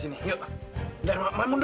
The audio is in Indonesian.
hei jangan naik kamu